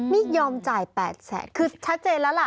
นี่ยอมจ่าย๘แสนคือชัดเจนแล้วล่ะ